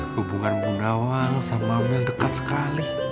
hubungan bu nawang sama mel dekat sekali